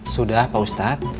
sudah pak ustadz